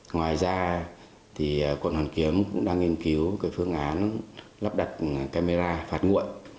ngoài ra thì cộng đồng kiếm cũng đang nghiên cứu phương án lắp đặt camera phạt nguội